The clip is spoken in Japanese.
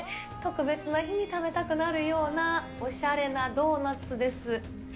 特別な日に食べたくなるような、おしゃれなドーナツです。